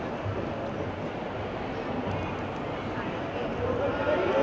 แผ่นคนเห็นว่าน้องเป็นตัวแทนที่ถ่ายคุณน้องไม่ได้ไปในน้ำ